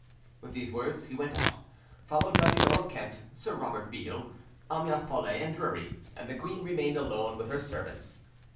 With these words he went out, followed by the Earl of Kent, Sir Robert Beale, Amyas Paulet, and Drury, and the queen remained alone with her servants.